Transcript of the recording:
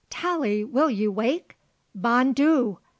Tallie, will you wake! _Bon Dieu!